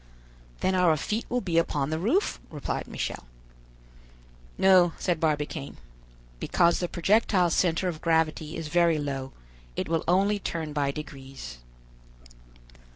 "Then our feet will be upon the roof," replied Michel. "No," said Barbicane, "because the projectile's center of gravity is very low; it will only turn by degrees."